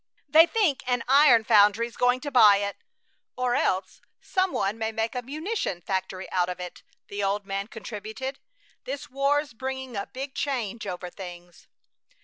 "They think an iron foundry's going to buy it, or else some one may make a munition factory out of it," the old man contributed. "This war's bringing a big change over things."